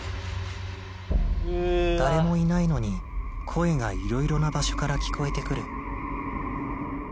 「誰もいないのに声が色々な場所から聞こえてくる」